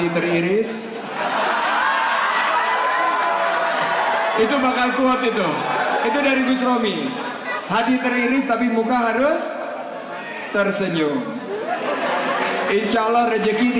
sesuai dengan ikhtiar